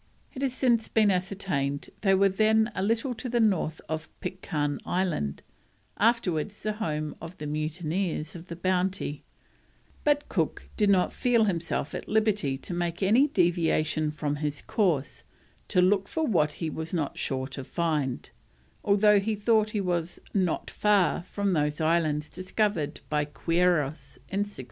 It has since been ascertained they were then a little to the north of Pitcairn Island, afterwards the home of the mutineers of the Bounty; but Cook did not feel himself at liberty to make any deviation from his course "to look for what he was not sure to find," although he thought he was "not far from those islands discovered by Quiros in 1606."